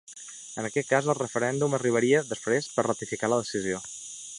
En aquest cas, el referèndum arribaria després per ratificar la decisió.